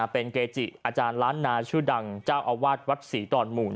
เป็นเกจิอาจารย์ล้านนาชื่อดังเจ้าอาวาสวัดศรีดอนหมู่